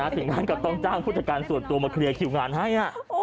ถึงขั้นกับต้องจ้างผู้จัดการส่วนตัวมาเคลียร์คิวงานให้